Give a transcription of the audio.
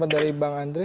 dari bang andre